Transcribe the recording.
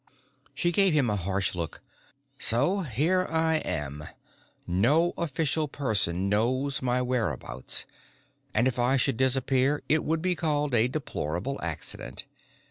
She gave him a harsh look. "So here I am. No official person knows my whereabouts and if I should disappear it would be called a deplorable accident.